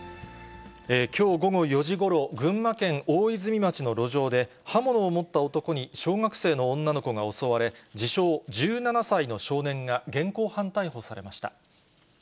きょう午後４時ごろ、群馬県大泉町の路上で、刃物を持った男に小学生の女の子が襲われ、自称１７歳の少年が現行犯逮捕されました。